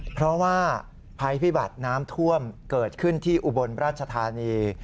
เพราะว่าภัยพิบัติน้ำท่วมเกิดขึ้นที่อุบลราชธานี